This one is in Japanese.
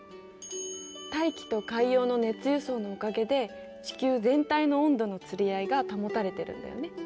大気と海洋の熱輸送のおかげで地球全体の温度のつり合いが保たれてるんだよね。